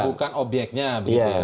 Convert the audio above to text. intinya bukan obyeknya